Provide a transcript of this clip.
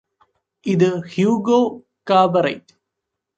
ഇത് ഹ്യൂഗോ കാബറെറ്റ്